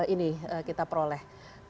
ini kita peroleh